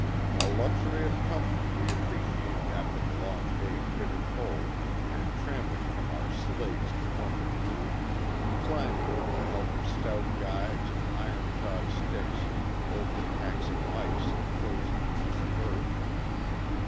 A luxury of comfort we appre ciated after the long day of bitter cold, and tramping from our sleighs to points of view ; climbing with the help of stout guides and iron shod sticks over packs of ice and frozen heaps of earth.